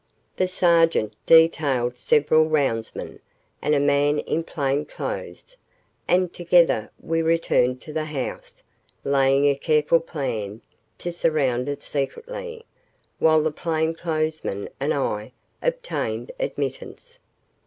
The sergeant detailed several roundsmen, and a man in plainclothes, and together we returned to the house, laying a careful plan to surround it secretly, while the plainclothesman and I obtained admittance.